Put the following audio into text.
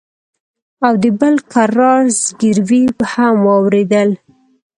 او د بل کرار زگيروي هم واورېدل.